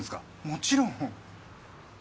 もちろん。